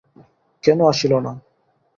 কেন আসিল না?